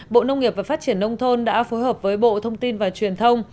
bộ nông nghiệp và phát triển nông thôn đã phối hợp với bộ thông tin và truyền thông